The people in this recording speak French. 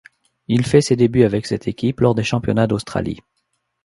Il fait ses débuts avec cette équipe lors des championnats d'Australie.